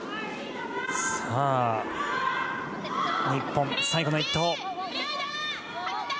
日本、最後の一投。